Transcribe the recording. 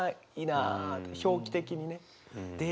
表記的にね。